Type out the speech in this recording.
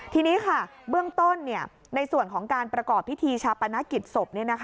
ทีนี้ค่ะเบื้องต้นในส่วนของการประกอบพิธีชาปนกิจศพ